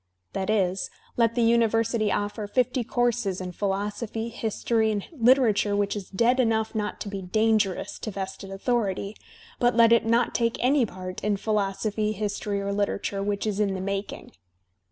That is, let. the university oflFer fifty courses in philosophy, history and literature which is dead enough not to be dangerous to vested authority, but let it not take any part in philosophy, history, or literature , which is in the making!